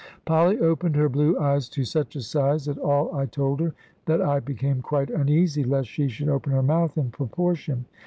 Polly opened her blue eyes to such a size at all I told her, that I became quite uneasy lest she should open her mouth in proportion.